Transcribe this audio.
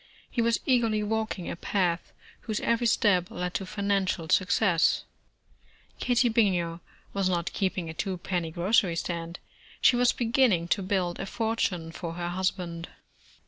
He was eagerly walking a path whose every step led to financial success. Katie Bininger was not keeping a two penny grocery stand. She was beginning to build a fortune for her husband.